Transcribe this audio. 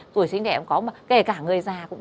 tuổi sinh đẻ cũng có kể cả người già cũng có